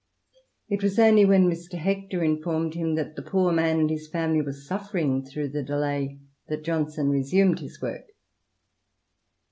It was only when Mr. Hector informed him that the poor man and his family were suffering through the delay that Johnson resumed his wort.